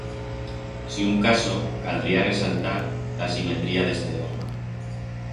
Si un caso, caldría resaltar l'asimetría d'este dogma.